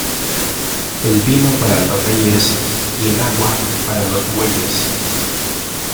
El vino para los reyes y el agua para los bueyes.